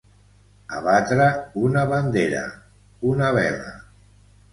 Abatre una bandera, una vela.